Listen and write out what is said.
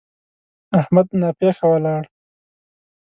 احمد ناپېښه ولاړ.